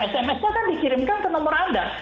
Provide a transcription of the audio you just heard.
sms nya kan dikirimkan ke nomor anda